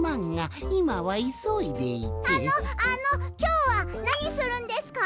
あのあのきょうはなにするんですか？